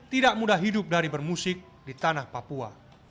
tidak mudah hidup dari bermusik di tanah papua